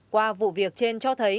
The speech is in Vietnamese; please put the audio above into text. qua vụ việc trên cho thấy